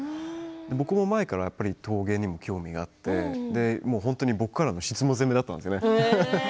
僕も前から陶芸にも興味があって本当に僕からの質問攻めだったんですね。